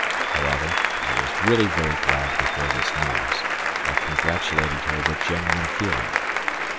However, I was really very glad to hear this news, and congratulated her with genuine feeling.